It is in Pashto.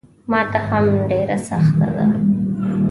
ماته هم ډېره سخته ده.